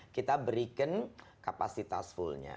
kita berikan kapasitas fullnya